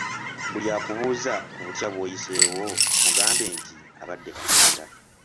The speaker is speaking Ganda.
Buli akubuuza ku butya bw'oyiseewo, mugambe nti abadde Katonda.